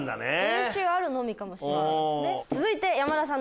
練習あるのみかもしれないですね。